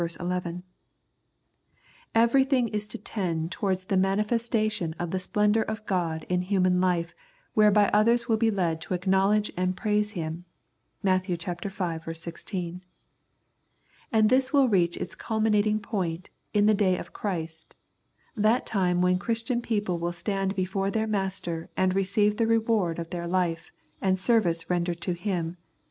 11). Everything is to tend towards the 135 The Prayers of St. Paul manifestation of the splendour of God in human Hfe whereby others will be led to acknowledge and praise Him (Matt. v. i6). And this will reach its culminating point in the ^' day of Christ," that time when Christian people will stand before their Master and receive the reward of their life and service rendered to Him (ch.